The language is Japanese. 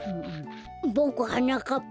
ボクはなかっぱ。